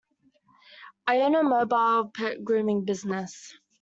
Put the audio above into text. I own a mobile pet grooming business.